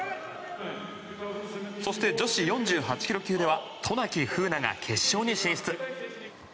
そして女子４８ｋｇ級では渡名喜風南が決勝に進出。